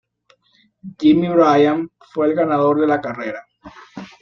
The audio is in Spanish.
Jimmy Bryan fue el ganador de la carrera.